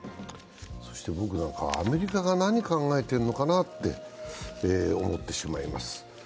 僕なんかはアメリカが何考えてんのかなって思ってしまいます。